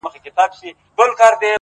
• حیا به تللې شرم به هېر وي ,